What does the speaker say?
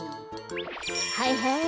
はいはい。